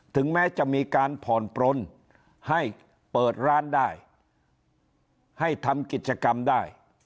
ถึงแม้จะมีการผ่อนปลนให้เปิดร้านได้ให้ทำกิจกรรมได้